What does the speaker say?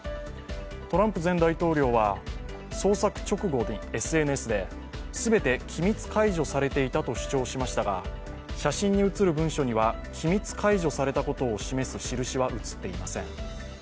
トランプ前大統領は捜索直後にＳＮＳで全て機密解除されていたと主張しましたが写真に映る文書には機密解除されたことを示す印は写っていません。